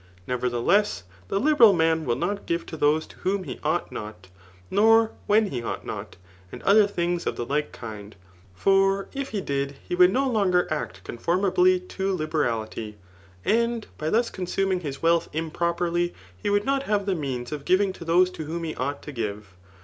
Nevertheless, the fiberal man will not give to those to whom he ought not, nor when he ought not, and other things of the Hke kind ; for if he did, he would no longer act conformably to liberaHty ; and by thus consuming his wealth impvoperly, he would not have the means of giving to those to whom he ought to give.